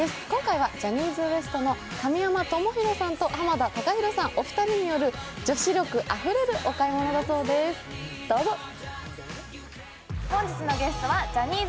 今回はジャニーズＷＥＳＴの神山智洋さん、濱田崇裕さん、お二人による女子力あふれるお買い物だそうです、どうぞ。